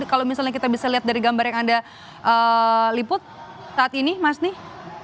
kalau misalnya kita bisa lihat dari gambar yang anda liput saat ini mas nih